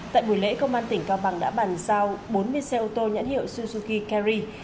tại buổi lễ công an tỉnh cao bằng đã bàn giao bốn mươi xe ô tô nhãn hiệu suzuki kerry